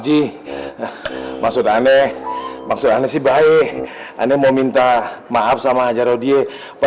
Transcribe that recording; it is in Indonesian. ji maksud aneh maksud aneh sih baik anda mau minta maaf sama ajaran dia